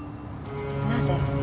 なぜ？